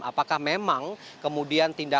apakah memang kemudian tindakan